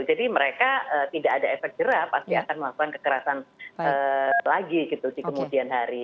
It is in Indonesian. jadi mereka tidak ada efek jerah pasti akan melakukan kekerasan lagi gitu di kemudian hari